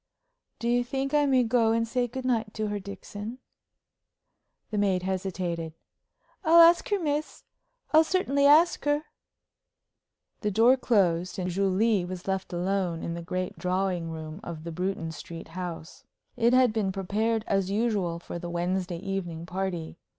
"Do you think I may go and say good night to her, Dixon?" The maid hesitated. "I'll ask her, miss I'll certainly ask her." The door closed, and Julie was left alone in the great drawing room of the Bruton Street house. It had been prepared as usual for the Wednesday evening party.